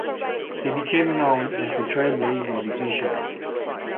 They became known as the Trailblazer Division.